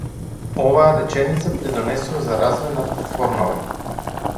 Оваа реченица придонесува за развој на платформава.